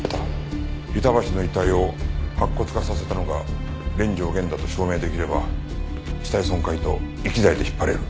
板橋の遺体を白骨化させたのが連城源だと証明できれば死体損壊と遺棄罪で引っ張れる。